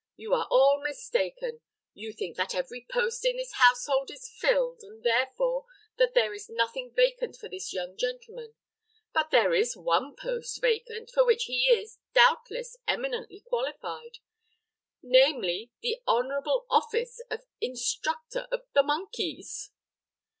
You are all mistaken. You think that every post in this household is filled, and therefore that there is nothing vacant for this young gentleman. But there is one post vacant, for which he is, doubtless, eminently qualified, namely, the honorable office of Instructor of the Monkeys."